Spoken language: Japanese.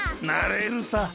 なれるさ。